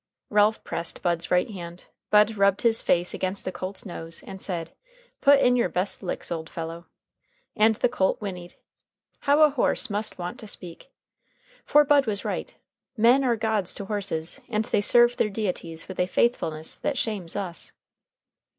Ralph pressed Bud's right hand. Bud rubbed his face against the colt's nose and said: "Put in your best licks, old fellow." And the colt whinnied. How a horse must want to speak! For Bud was right. Men are gods to horses, and they serve their deities with a faithfulness that shames us.